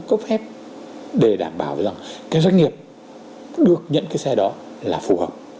cấp phép để đảm bảo rằng cái doanh nghiệp được nhận cái xe đó là phù hợp